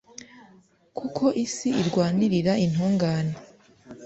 kuko isi irwanirira intungane